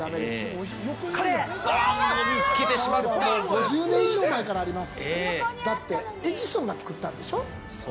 ５０年以上前からあります。